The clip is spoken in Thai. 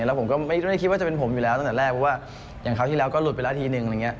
แล้วผมก็ไม่คิดว่าจะเป็นผมอยู่แล้วตั้งแต่แรกเพราะว่าอย่างครั้งที่แล้วก็หลุดไปละทีนึง